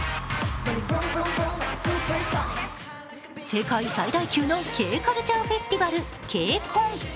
世界最大級のＫカルチャーフェスティバル、ＫＣＯＮ。